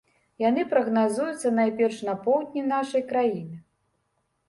Яны прагназуюцца найперш на поўдні нашай краіны.